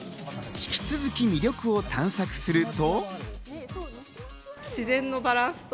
引き続き魅力を探索すると。